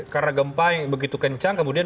karena gempa yang begitu kencang kemudian